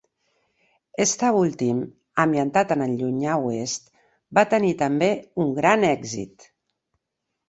Este últim, ambientat en el Llunyà Oest, va tenir també un gran èxit.